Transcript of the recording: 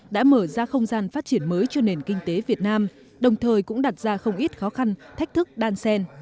đã mở ra không gian phát triển mới cho nền kinh tế việt nam đồng thời cũng đặt ra không ít khó khăn thách thức đan sen